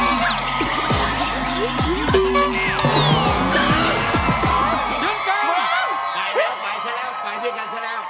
ไปแล้วไปซะแล้วไปที่กันซะแล้ว